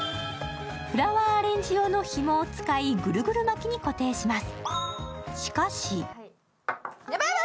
フラワーアレンジ用のひもを使いぐるぐる巻き固定します。